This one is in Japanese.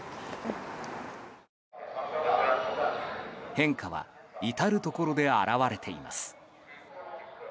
変化は至るところで表れています。